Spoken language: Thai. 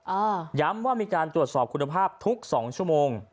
ย้ำว่ามีการตรวจสอบคุณภาพทุกสองชั่วโมง